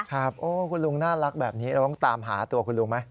ครับโอ้คุณลุงน่ารักแบบนี้เราต้องตามหาตัวคุณลุงไหม